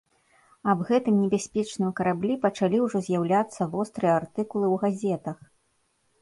Аб гэтым небяспечным караблі пачалі ўжо з'яўляцца вострыя артыкулы ў газетах.